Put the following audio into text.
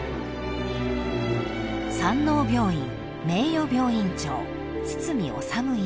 ［山王病院名誉病院長堤治医師］